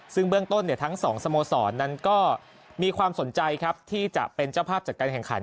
ซึ่งเบื้องต้นทั้งสองสโมสรนั้นก็มีความสนใจครับที่จะเป็นเจ้าภาพจัดการแข่งขัน